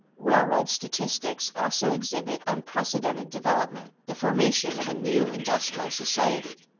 Railroad statistics also exhibit unprecedented development, the formation of a new industrial society.